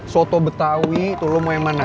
soto betawi tuh lo mau yang mana